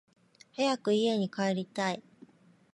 早く家に帰りたい